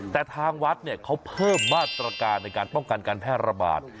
แต่ทางวัดเขาเพิ่มมาตรการในการป้องกันการแพร่ระบาด